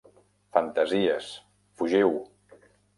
Fantasies, fugiu!